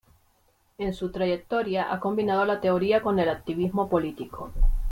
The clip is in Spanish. En su trayectoria ha combinado la teoría con el activismo político.